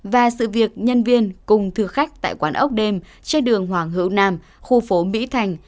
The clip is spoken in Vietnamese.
và sự việc nhân viên cùng thực khách tại quán ốc đêm trên đường hoàng hữu nam khu phố mỹ thành